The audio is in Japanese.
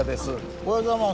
おはようございます。